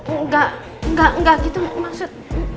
enggak enggak gitu maksud